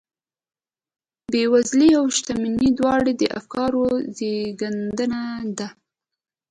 بېوزلي او شتمني دواړې د افکارو زېږنده دي.